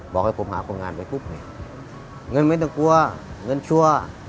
บอกให้ผมหาคนงานไปปุ๊บเนี่ยเงินไม่ต้องกลัวเงินชั่ว